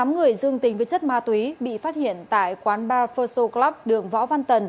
bảy mươi tám người dương tình với chất ma túy bị phát hiện tại quán bar fossil club đường võ văn tần